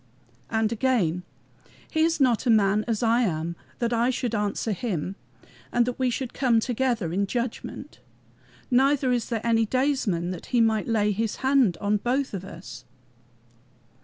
And again: "He is not a man as I am that I should answer him, and that we should come together in judgment. Neither is there any daysman that might lay his hand on both of us."